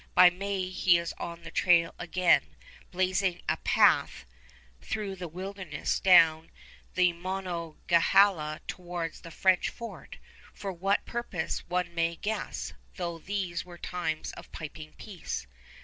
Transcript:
By May he is on the trail again, blazing a path through the wilderness down the Monongahela towards the French fort; for what purpose one may guess, though these were times of piping peace.